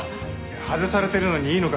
外されてるのにいいのか？